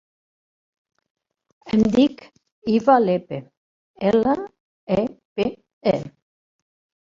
Em dic Hiba Lepe: ela, e, pe, e.